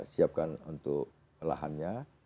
siapkan untuk lahannya